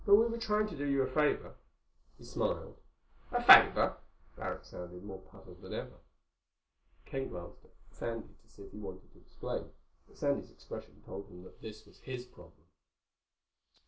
"But we were trying to do you a favor." He smiled. "A favor?" Barrack sounded more puzzled than ever. Ken glanced at Sandy to see if he wanted to explain, but Sandy's expression told him that this was his problem.